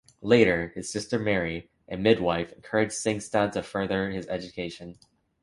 Later, his sister Marie, a midwife, encouraged Singstad to further his education.